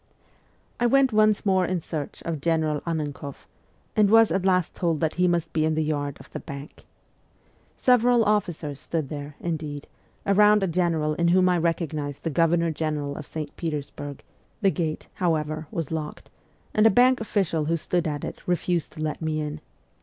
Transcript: I went once more in search of General Annenkoff, and was at last told that he must be in the yard of the Bank. Several officers stood there, indeed, around a general in whom I recognized the Governor General of St. Petersburg, Prince Suvoroff. The gate, however, was locked, and a Bank official who stood at it refused to let me in.